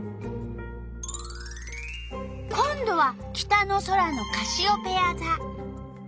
今度は北の空のカシオペヤざ。